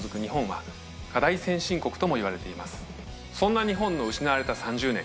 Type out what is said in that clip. そんな日本の失われた３０年。